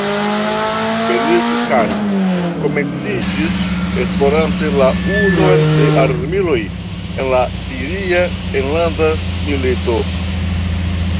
Bellingcat komenciĝis esplorante la uzon de armiloj en la siria enlanda milito.